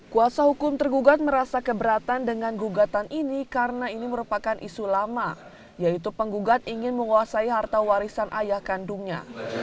kuasa hukum tergugat merasa keberatan dengan gugatan ini karena ini merupakan isu lama yaitu penggugat ingin menguasai harta warisan ayah kandungnya